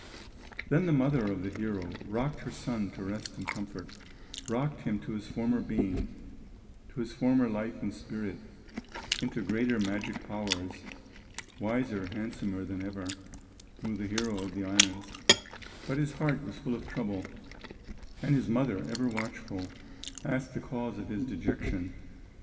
Then the mother of the hero Rocked her son to rest and comfort, Rocked him to his former being, To his former life and spirit, Into greater magic powers; Wiser, handsomer than ever Grew the hero of the islands; But his heart was full of trouble, And his mother, ever watchful, Asked the cause of his dejection.